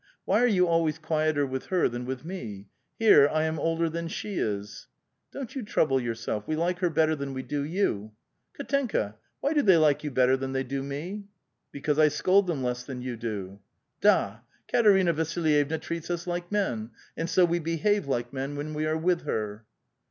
Why are 30U always quieter with her than with me ? here I am older than she is." " Don't you trouble yourself; we like her better than we do you." '•Kdtenka, why do they like you better than they do me?" " Because I scold them less than you do." " Da! Katerina Vasilj'evna treats us like men, and so we behave like men when we are with her."